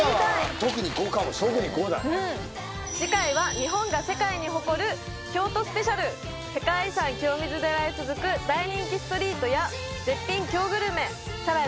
特に５だ次回は日本が世界に誇る京都スペシャル世界遺産清水寺へ続く大人気ストリートや絶品京グルメさらに